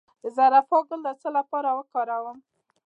د زوفا ګل د څه لپاره وکاروم؟